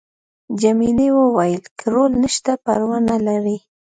جميلې وويل:: که رول نشته پروا نه لري.